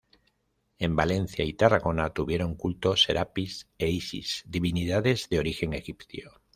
En Valencia y Tarragona tuvieron culto Serapis e Isis divinidades de origen egipcio.